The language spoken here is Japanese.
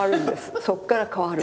そっから変わるんです。